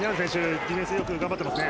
ディフェンスをよく頑張っていますね。